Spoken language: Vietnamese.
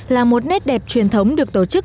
là một nét đẹp truyền thống được tổ chức